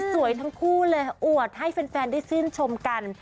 ทั้งคู่เลยอวดให้แฟนได้ชื่นชมกัน